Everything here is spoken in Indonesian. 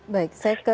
baik saya ke